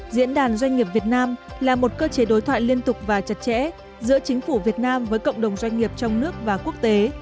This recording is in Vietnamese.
diễn đàn doanh nghiệp việt nam là một cơ chế đối thoại liên tục và chặt chẽ giữa chính phủ việt nam với cộng đồng doanh nghiệp trong nước và quốc tế